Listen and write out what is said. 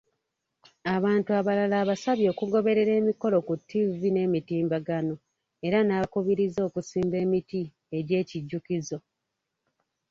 Abantu abalala, abasabye okugoberera emikolo ku ttivvi n'emitimbagano era n'abakubiriza okusimba emiti egy'ekijjukizo.